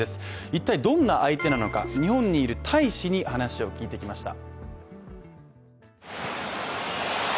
一体、どんな相手なのか日本にいる大使に話を聞いてきました。